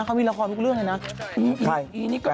เขามีละครทุกเรื่องเลยนะ